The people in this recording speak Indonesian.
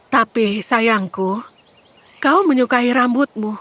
tapi sayangku kau menyukai rambutmu